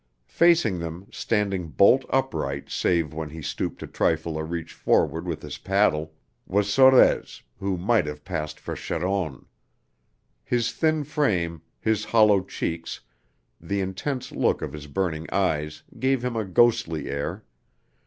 Facing them, standing bolt upright save when he stooped a trifle to reach forward with his paddle, was Sorez, who might have passed for Charon. His thin frame, his hollow cheeks, the intense look of his burning eyes gave him a ghostly air.